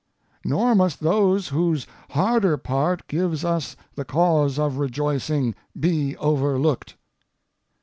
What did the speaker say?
Nor must those whose harder part gives us the cause of rejoicing, be overlooked.